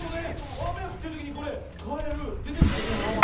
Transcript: あめふってるときにこれカエルでてくるよね。